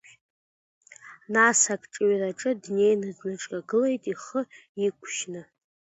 Нас акҿыҩраҿы днеины дныкҿагылеит ихы иқәжьны.